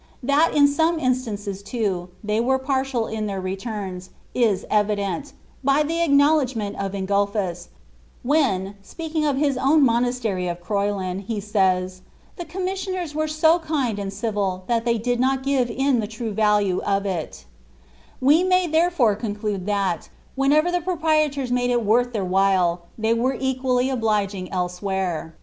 rhat in some instances, too, they were partial in their returns, is evi Jent, by the acknowledgment of Ingulphus, when, speaking of his own monastery of Croyland, he says, ^^ me commissioners were so kind and avil, that they did not give in the true value of it :" we may therefore xmdnde that, whenever the proprietors made it worth their while, they irere equally obliging elsewhere.